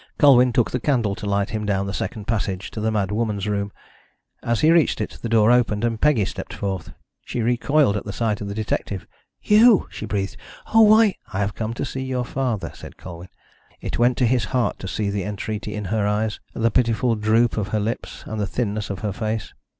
Colwyn took the candle to light him down the second passage to the mad woman's room. As he reached it, the door opened, and Peggy stepped forth. She recoiled at the sight of the detective. "You!" she breathed. "Oh, why " "I have come to see your father," said Colwyn. It went to his heart to see the entreaty in her eyes, the pitiful droop of her lips and the thinness of her face.